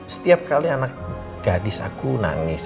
setiap kali anak gadis aku nangis